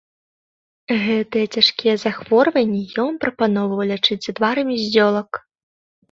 Гэтыя цяжкія захворванні ён прапаноўваў лячыць адварамі з зёлак.